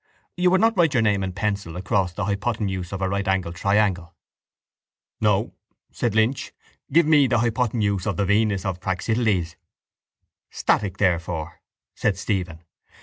You would not write your name in pencil across the hypothenuse of a rightangled triangle. —No, said Lynch, give me the hypothenuse of the Venus of Praxiteles. —Static therefore, said Stephen.